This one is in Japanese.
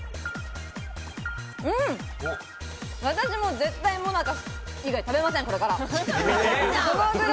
私も絶対、もなか以外食べません、これから。